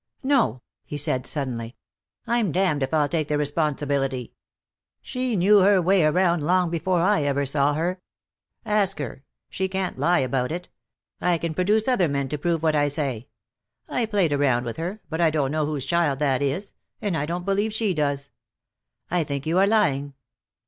"No!" he said suddenly. "I'm damned if I'll take the responsibility. She knew her way around long before I ever saw her. Ask her. She can't lie about it. I can produce other men to prove what I say. I played around with her, but I don't know whose child that is, and I don't believe she does." "I think you are lying."